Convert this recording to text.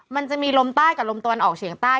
มันจะมีลมใต้กับลมตะวันออกเฉียงใต้